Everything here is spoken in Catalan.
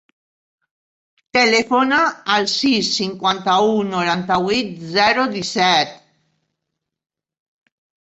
Telefona al sis, cinquanta-u, noranta-vuit, zero, disset.